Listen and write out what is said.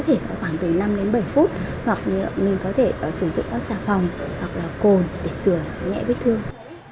dùng khoảng từ năm đến bảy phút hoặc mình có thể sử dụng sà phòng hoặc là cồn để sửa nhẹ vết thương